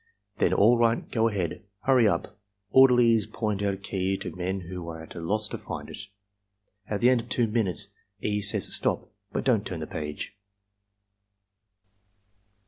Then, "All right. Go ahead. Hurry up!" Orderlies point out key to men who are at a loss to find it. At the end of 2 minutes, E. says, "Stop! But don't turn the page."